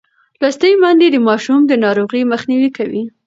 لوستې میندې د ماشوم د ناروغۍ مخنیوی کوي.